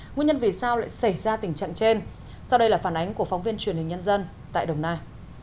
nguyên nhân vì sao lại xảy ra tình trạng trên sau đây là phản ánh của phóng viên truyền hình nhân dân tại đồng nai